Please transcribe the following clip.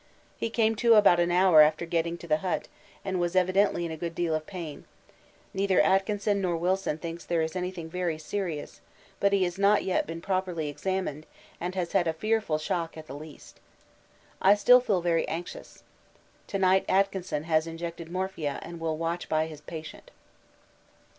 He came to about an hour after getting to the hut, and was evidently in a good deal of pain; neither Atkinson nor Wilson thinks there is anything very serious, but he has not yet been properly examined and has had a fearful shock at the least. I still feel very anxious. To night Atkinson has injected morphia and will watch by his patient.